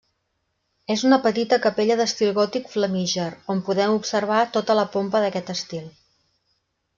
És una petita capella d'etil gòtic flamíger, on podem observar tota la pompa d'aquest estil.